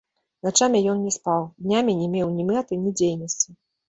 Начамі ён не спаў, днямі не меў ні мэты, ні дзейнасці.